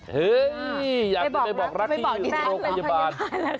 เฮ้ยอยากจะไปบอกรักที่โรงพยาบาล